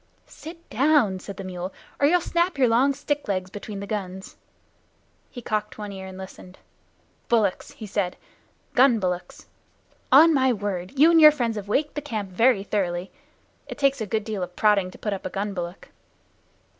"Sit down," said the mule, "or you'll snap your long stick legs between the guns." He cocked one ear and listened. "Bullocks!" he said. "Gun bullocks. On my word, you and your friends have waked the camp very thoroughly. It takes a good deal of prodding to put up a gun bullock."